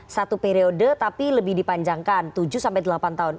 satu periode tapi lebih dipanjangkan tujuh sampai delapan tahun